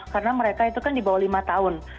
karena mereka itu kan di bawah lima tahun